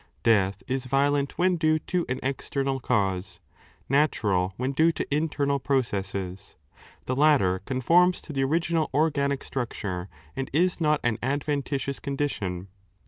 Death is violent when due to an external cause, natural when due to internal processes. The latter conforms to the original organic structure, and is not an adventitious condition.